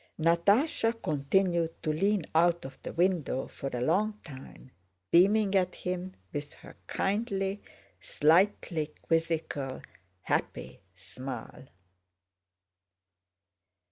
Natásha continued to lean out of the window for a long time, beaming at him with her kindly, slightly quizzical, happy smile.